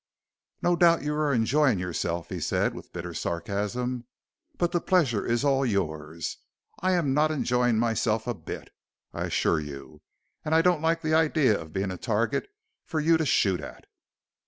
"No doubt you are enjoying yourself!" he said with bitter sarcasm. "But the pleasure is all yours. I am not enjoying myself a bit, I assure you. And I don't like the idea of being a target for you to shoot at!"